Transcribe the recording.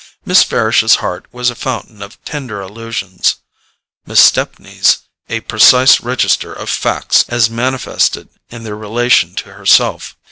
Miss Farish's heart was a fountain of tender illusions, Miss Stepney's a precise register of facts as manifested in their relation to herself.